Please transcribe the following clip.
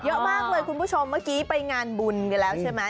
เยอะมากเลยคุณผู้ชมเมื่อกี้ไปงานบุญกันแล้วใช่ไหม